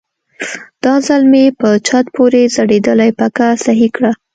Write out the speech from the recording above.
دا ځل مې په چت پورې ځړېدلې پکه سهي کړه.